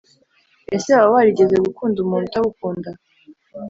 Ese waba warigeze gukunda umuntu utagukunda